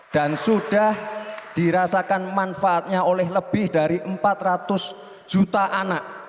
dan sudah dirasakan manfaatnya oleh lebih dari empat ratus juta anak